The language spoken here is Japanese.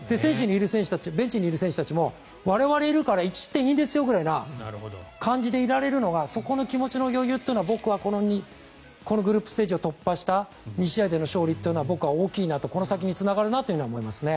ベンチにいる選手たちも我々がいるから１失点いいですよぐらいの感じでいられるのがそこの気持ちの余裕っていうのが僕、ここのグループステージを突破した２試合で僕は大きいなとこの先につながると思います。